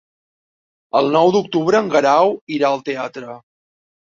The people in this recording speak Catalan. El nou d'octubre en Guerau irà al teatre.